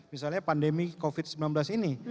misalnya pandemi covid sembilan belas ini